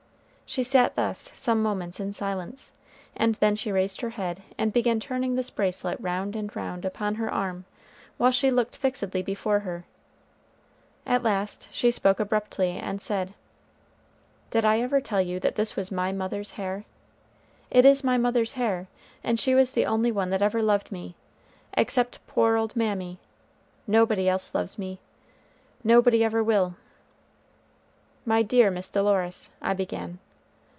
She sat thus some moments in silence, and then she raised her head and began turning this bracelet round and round upon her arm, while she looked fixedly before her. At last she spoke abruptly, and said, "Did I ever tell you that this was my mother's hair? It is my mother's hair, and she was the only one that ever loved me; except poor old Mammy, nobody else loves me, nobody ever will." "My dear Miss Dolores," I began.